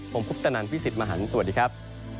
ผมคุปตนันพี่สิทธิ์มหันฯสวัสดีครับ